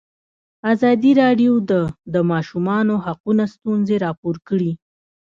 ازادي راډیو د د ماشومانو حقونه ستونزې راپور کړي.